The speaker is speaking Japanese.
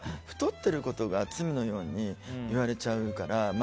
太ってることが罪のようにいわれちゃうから。